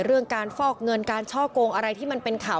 เรื่องการฟอกเงินการช่อกงอะไรที่มันเป็นข่าว